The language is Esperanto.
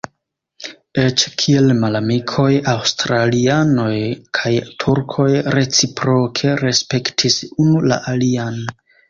Eĉ kiel malamikoj aŭstralianoj kaj turkoj reciproke respektis unu la alian.